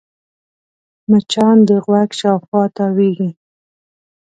مچان د غوږ شاوخوا تاوېږي